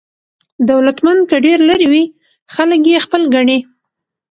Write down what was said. دولتمند که ډېر لرې وي، خلک یې خپل ګڼي.